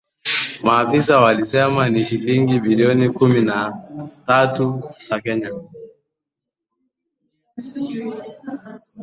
Maafisa walisema ni shilingi bilioni kumi na tatu za Kenya